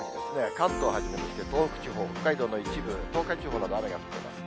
関東をはじめ、東北地方、北海道の一部、東海地方など雨が降っています。